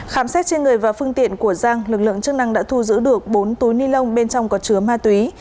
khám xét trên người và phương tiện của giang lực lượng chức năng đã thu giữ được bốn túi ni lông bên trong có chứa ma túy